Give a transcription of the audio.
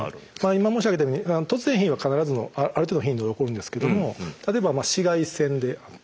今申し上げたように突然変異は必ずある程度の頻度で起こるんですけども例えば紫外線を浴びる。